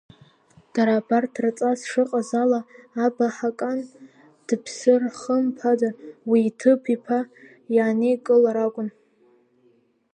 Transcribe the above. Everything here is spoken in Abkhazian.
Дара абарҭ рҵас шыҟаз ала, аб аҳакан дыԥсыр хымԥада уи иҭыԥ иԥа иааникылар акәын.